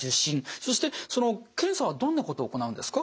そして検査はどんなことを行うんですか？